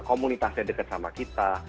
komunitasnya deket sama kita